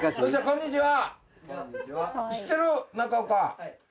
こんにちは。